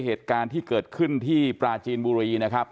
เหตุการณ์ที่เกิดขึ้นที่ปราจีนบุรีนะครับ